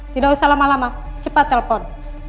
tidak usah lama lama cepat telepon